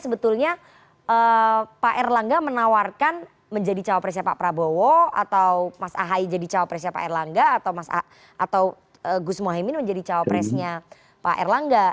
sebetulnya pak erlangga menawarkan menjadi cawapresnya pak prabowo atau mas ahaye jadi cawapresnya pak erlangga atau gus mohaimin menjadi cawapresnya pak erlangga